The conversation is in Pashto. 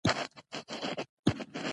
دوبی د خوبونو ښار بلل کېږي.